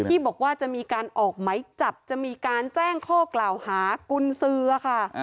ที่บอกว่าจะมีการออกไหมจับจะมีการแจ้งข้อกล่าวหากุญสือค่ะ